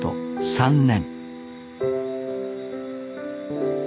３年